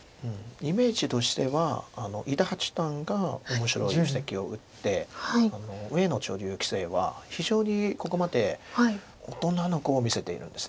イメージとしては伊田八段が面白い布石を打って上野女流棋聖は非常にここまで大人の碁を見せているんです。